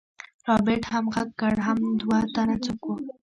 رابرټ هم غږ کړ حم دوه تنه څوک وو.